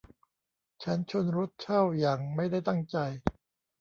ฉันชนรถเช่าอย่างไม่ได้ตั้งใจ